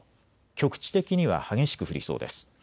局地的には激しく降りそうです。